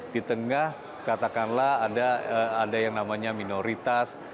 di tengah katakanlah ada yang namanya minoritas